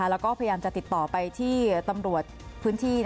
แล้วก็พยายามจะติดต่อไปที่ตำรวจพื้นที่